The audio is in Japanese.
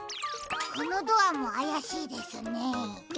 このドアもあやしいですね。